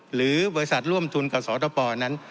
หรือบริษัทร่วมทุนกับสตปนั้น